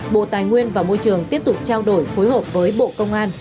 bộ tài nguyên và môi trường tiếp tục trao đổi phối hợp với bộ công an